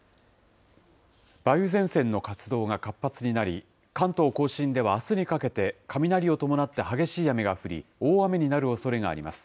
梅雨前線の活動が活発になり、関東甲信ではあすにかけて、雷を伴って激しい雨が降り、大雨になるおそれがあります。